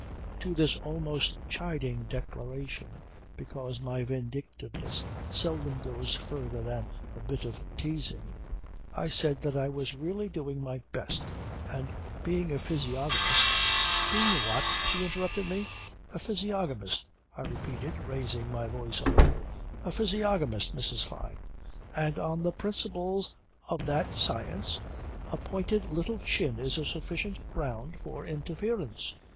To this almost chiding declaration because my vindictiveness seldom goes further than a bit of teasing I said that I was really doing my best. And being a physiognomist ..." "Being what?" she interrupted me. "A physiognomist," I repeated raising my voice a little. "A physiognomist, Mrs. Fyne. And on the principles of that science a pointed little chin is a sufficient ground for interference.